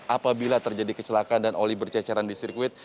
apabila terjadi kecelakaan dan oli berceceran di sirkuit